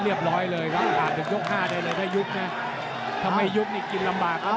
เรียบร้อยเลยครับถ้าไม่ยุคนี่กินลำบากนะ